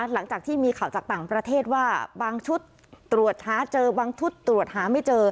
หลังจากที่มีข่าวจากต่างประเทศว่าบางชุดตรวจหาเจอบางชุดตรวจหาไม่เจอ